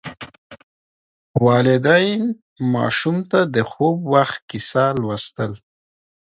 والدین ماشوم ته د خوب وخت کیسه لوستل.